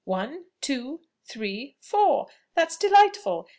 One, two, three, four! That's delightful!